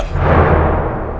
kakak dwi pangga